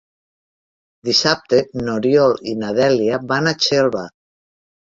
Dissabte n'Oriol i na Dèlia van a Xelva.